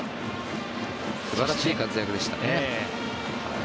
素晴らしい活躍でしたね。